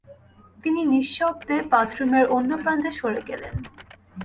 তিনি নিঃশব্দে বাথরুমের অন্য প্রান্তে সরে গেলেন।